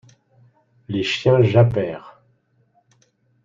Les chiens jappèrent.